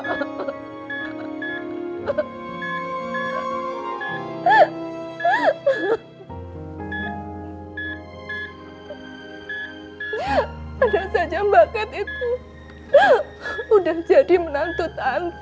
tanda saja mbak cat itu sudah jadi menantu tante